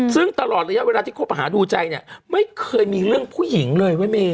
ซึ่งตลอดระยะเวลาที่คบหาดูใจเนี่ยไม่เคยมีเรื่องผู้หญิงเลยเว้ยเมย